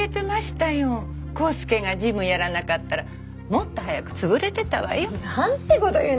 康介が事務やらなかったらもっと早く潰れてたわよ。なんて事言うの？